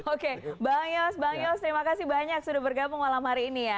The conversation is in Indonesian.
oke bang yos bang yos terima kasih banyak sudah bergabung malam hari ini ya